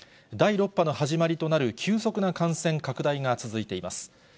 第６波の始まりとなる急速な感染拡大が続いています。